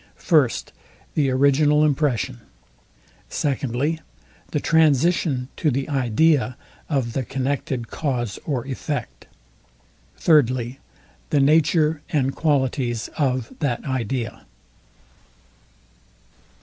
First, The original impression. Secondly, The transition to the idea of the connected cause or effect. Thirdly, The nature and qualities of that idea.